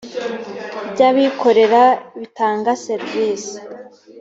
by abikorera bitanga serivisi